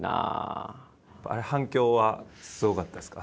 あれ反響はすごかったですか？